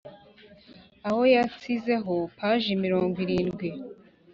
Ahora yansizeho paji mirongo irindw